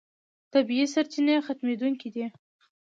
طبیعي سرچینې ختمېدونکې دي.